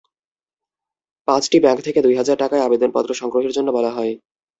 পাঁচটি ব্যাংক থেকে দুই হাজার টাকায় আবেদনপত্র সংগ্রহের জন্য বলা হয়।